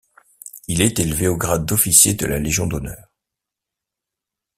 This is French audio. Il est élevé au grade d'officier de la Légion d'honneur.